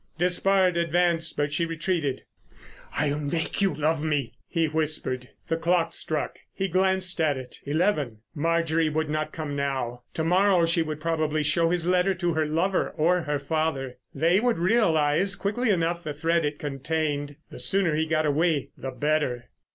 Despard advanced, but she retreated. "I'll make you love me," he whispered. The clock struck. He glanced at it. Eleven! Marjorie would not come now. To morrow she would probably show his letter to her lover or her father. They would realise quickly enough the threat it contained. The sooner he got away the better.